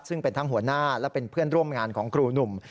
ซึ่งเป็นทั้งหัวหน้าและเป็นเพื่อนร่วมงานของครูหนุ่ม